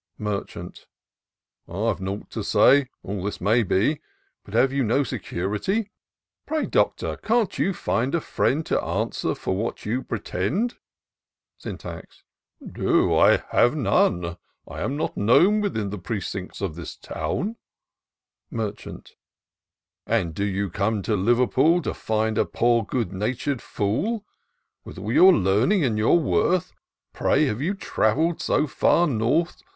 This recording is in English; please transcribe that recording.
Merchant. " I've nought to say— all this may be — But have you no security ? Pray, Doctor, can't you find a friend To answer for what you pretend?" Syntax. " No, I have none ;— I am not known Within the precincts of this town." 220 tour of doctor syntax Merchant* " And do you come to Liverpool To find a poor good natur'd fool ? With all your learning and your worth, Pray have you travelled so fer north.